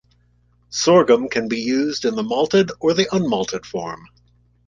Sorghum can be used in the malted or the un-malted form.